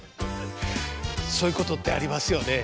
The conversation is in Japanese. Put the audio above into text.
そういうことってありますよね。